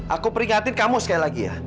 aku peringatin kamu sekali lagi ya